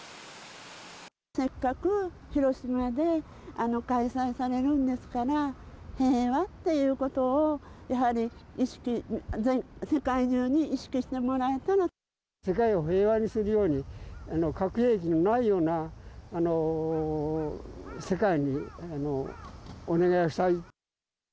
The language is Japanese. せっかく広島で開催されるんですから、平和っていうことを、やはり意識、世界を平和にするように、核兵器のないような世界にお願いをしたい。